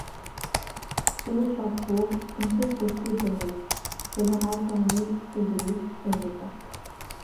Sous le toit court une frise de style dorique, faisant alterner triglyphes et métopes.